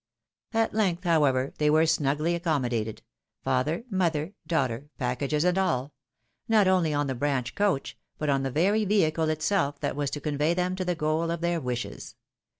At length, however, they were snugly accommodated ; father, mother, daughter, packages, and all ; not only on the branch coach, but on the very vehicle itself that was to convey them to the goal of their wishes.